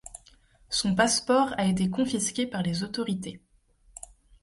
Son passeport a été confisqué par les autorités.